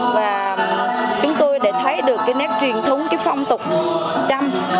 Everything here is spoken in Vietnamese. và chúng tôi đã thấy được cái nét truyền thống cái phong tục trâm